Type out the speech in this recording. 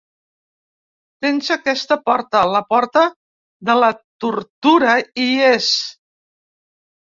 Tens aquesta porta, la porta de la tortura hi és.